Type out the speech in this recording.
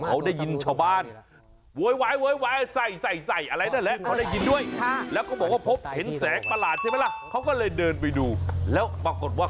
เขาก็เดินไปดูแล้วปรากฏว่า